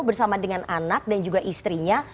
bersama dengan anak dan juga istrinya